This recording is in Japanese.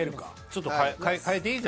ちょっと変えていい？